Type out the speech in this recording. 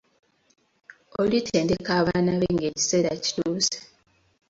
Olitendeka abaana be ng'ekiseera kituuse.